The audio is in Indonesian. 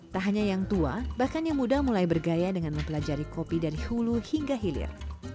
tak hanya yang tua bahkan yang muda mulai bergaya dengan mempelajari kopi dari hulu hingga hilir